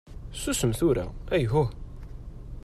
Susem tura, ayhuh!